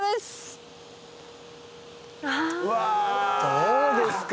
どうですか？